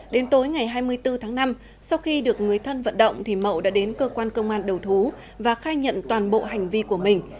đến tối ngày hai mươi bốn tháng năm sau khi được người thân vận động thì mậu đã đến cơ quan công an đầu thú và khai nhận toàn bộ hành vi của mình